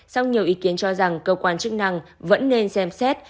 song nhiều ý kiến cho rằng cơ quan chức năng vẫn nên xem xét